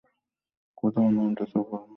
কোথায় নামতে চাও বলো।